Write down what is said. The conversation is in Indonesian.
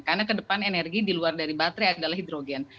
karena ke depan energi di luar dari baterai adalah hidrogen